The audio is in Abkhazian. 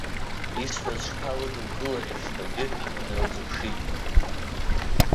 Исҳәаз шԥалыдылкыларишь ҳәагьы дналзыԥшит.